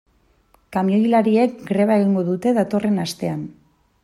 Kamioilariek greba egingo dute datorren astean.